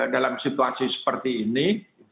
dalam situasi seperti ini